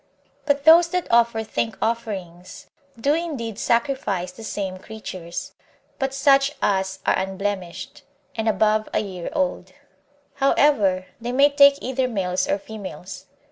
2. But those that offer thank offerings do indeed sacrifice the same creatures, but such as are unblemished, and above a year old; however, they may take either males or females.